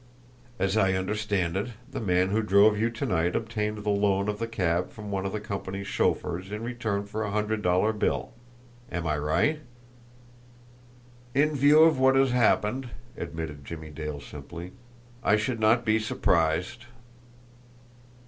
As I understand it, the man who drove you to night obtained the loan of the cab from one of the company's chauffeur's in return for a hundred dollar bill. Am I right?" "In view of what has happened," admitted Jimmie Dale simply, "I should not be surprised."